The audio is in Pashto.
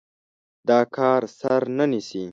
دا کار سر نه نيسي.